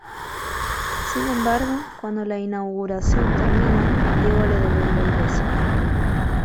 Sin embargo, cuando la inauguración termina, Diego le devuelve el beso.